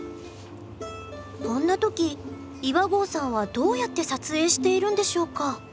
こんな時岩合さんはどうやって撮影しているんでしょうか？